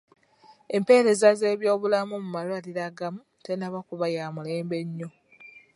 Empeereza z'ebyobulamu mu malwaliro agamu tennaba kuba ya mulembe nnyo.